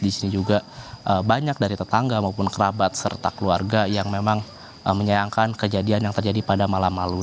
di sini juga banyak dari tetangga maupun kerabat serta keluarga yang memang menyayangkan kejadian yang terjadi pada malam lalu